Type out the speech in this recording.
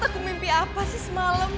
aku mimpi apa sih semalam